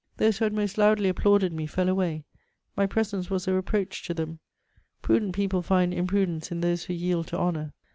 Those who had most loudly applauded me fell away; my presence was a reproach to them: prudent people find imprudence in those who yield to honour.